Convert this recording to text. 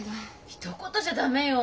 ひと言じゃ駄目よ。